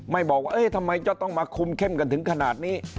บอกว่าทำไมจะต้องมาคุมเข้มกันถึงขนาดนี้